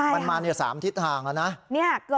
มันมา๓ทิศทางแล้วนะ